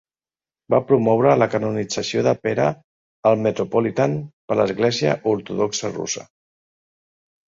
Va promoure la canonització de Pere al Metropolitan per l'Església Ortodoxa Russa.